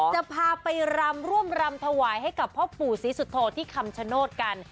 จะพาไปรำร่วมรำถวายให้กับพ่อปู่ศรีสุโธที่คำชโนธกัน